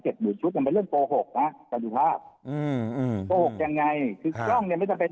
เจ็ดหมื่นยิงไปเรื่องโปหกนะฮะดูภาพมือที่กล้องไม่จำเป็น